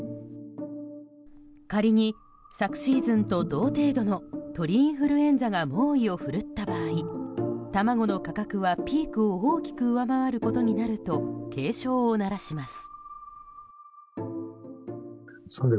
仮に昨シーズンと同程度の鳥インフルエンザが猛威を振るった場合卵の価格はピークを大きく上回ることになると警鐘を鳴らします。